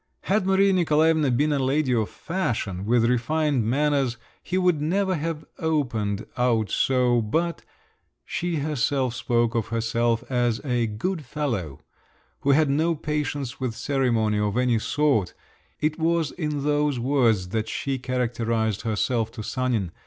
Had Maria Nikolaevna been a lady of fashion, with refined manners, he would never have opened out so; but she herself spoke of herself as a "good fellow," who had no patience with ceremony of any sort; it was in those words that she characterised herself to Sanin.